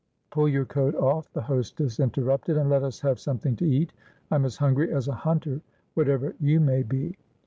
"Pull your coat off," the hostess interrupted, "and let us have something to eat. I'm as hungry as a hunter, whatever you may be.